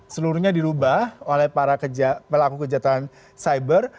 seluruhnya dirubah oleh para pelaku kejahatan cyber